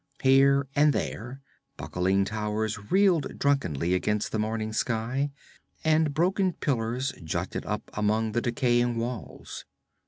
Here and there buckling towers reeled drunkenly against the morning sky, and broken pillars jutted up among the decaying walls.